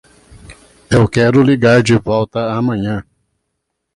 Eu quero ligar de volta amanhã.